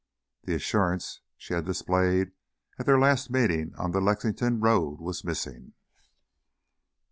The assurance she had displayed at their last meeting on the Lexington road was missing.